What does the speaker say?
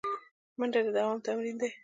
منډه د دوام تمرین دی